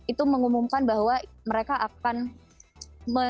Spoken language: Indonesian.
itu mengumumkan bahwa mereka akan